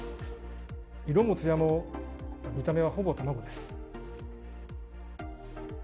色もつやも見た目もほぼ卵です。